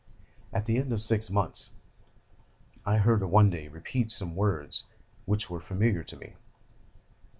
At the end of six months I heard her one day repeat some words which were familiar to me.